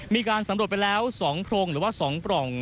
มีการสำรวจไปแล้ว๒โพรงหรือว่า๒ปล่อง